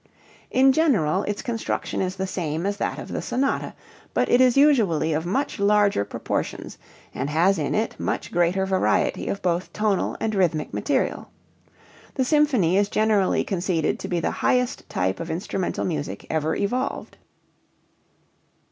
In general its construction is the same as that of the sonata, but it is usually of much larger proportions and has in it much greater variety of both tonal and rhythmic material. The symphony is generally conceded to be the highest type of instrumental music ever evolved.